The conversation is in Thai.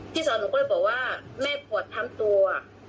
สอนหนูก็เลยบอกว่าแม่ปวดทั้งตัว